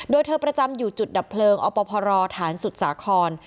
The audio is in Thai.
โดยเธอประจำอยู่จุดดับเพลิงอปพรฐานสุดสาคร